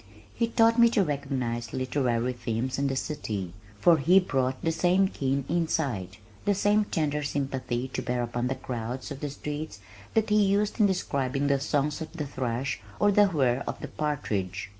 He taught me to recognize literary themes in the city, for he brought the same keen insight, the same tender sympathy to bear upon the crowds of the streets that he used in describing the songs of the thrush or the whir of the partridge.